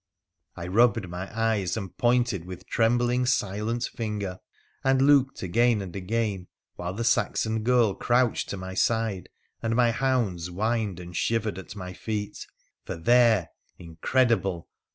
I rubbed my eyes and pointed with trembling silent finger, and looked again and again, while the Saxon girl crouched to my side, and my hounds whined and shivered at my feet, for there, incredible